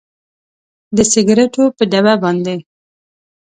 د سګریټو پر ډبه باندې